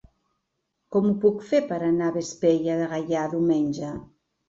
Com ho puc fer per anar a Vespella de Gaià diumenge?